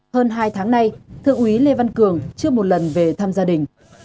hơn hai tháng nay thượng úy lê văn cường chưa một lần về thăm gia đình